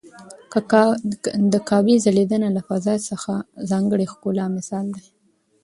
د کعبې ځلېدنه له فضا د ځانګړي ښکلا مثال دی.